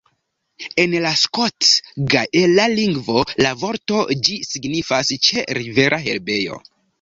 En la skot-gaela lingvo la vorto ĝi signifas "ĉe-rivera herbejo".